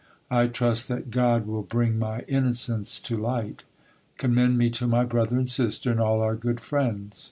I trust that, God will bring my innocence to light. Commend me to my brother and sister, and all our good friends.